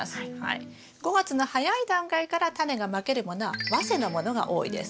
５月の早い段階からタネがまけるものは早生のものが多いです。